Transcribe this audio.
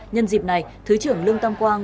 nhân dịp này thứ trưởng lương tam quang